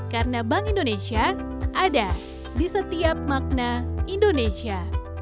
karena bank indonesia ada di setiap makna indonesia